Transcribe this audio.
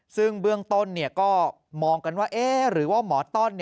ซึ่งเบื้องต้นก็มองกันว่าหรือว่าหมอต้อน